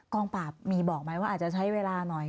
งปราบมีบอกไหมว่าอาจจะใช้เวลาหน่อย